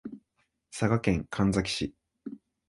佐賀県神埼市